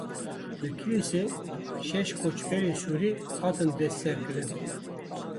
Li Kilîsê şeş koçberên Sûrî hatin destserkirin.